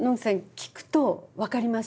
聴くと分かります？